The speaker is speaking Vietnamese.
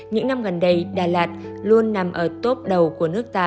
những năm gần đây đà lạt luôn nằm ở tốp đầu của nước ta